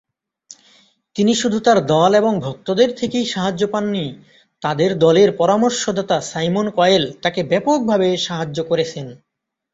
তিনি শুধু তার দল এবং ভক্তদের থেকেই সাহায্য পাননি, তাদের দলের পরামর্শদাতা সাইমন কয়েল তাকে ব্যাপকভাবে সাহায্য করেছেন।